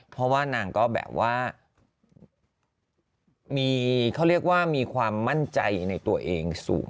เพราะว่านางก็แบบว่ามีเขาเรียกว่ามีความมั่นใจในตัวเองสูง